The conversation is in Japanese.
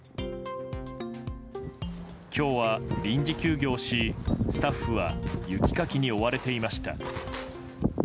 今日は臨時休業し、スタッフは雪かきに追われていました。